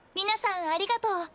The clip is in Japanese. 皆さんありがとう。